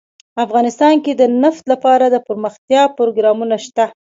افغانستان کې د نفت لپاره دپرمختیا پروګرامونه شته.